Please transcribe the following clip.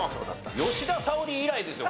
吉田沙保里以来ですよ